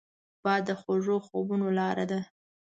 باد د خوږو خوبونو لاره ده